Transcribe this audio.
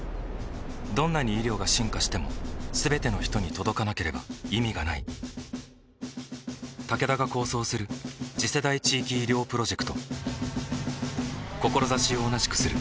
どんなに医療が進化しても全ての人に届かなければ意味がないタケダが構想する次世代地域医療プロジェクト志を同じくするあらゆるパートナーと手を組んで実用化に挑む